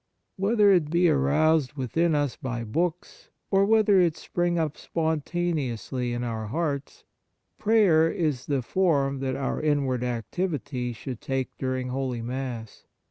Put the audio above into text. Whether it be aroused within us by books, or whether it spring up spontaneously in our hearts, prayer is the form that our inward activity should take during Holy Mass.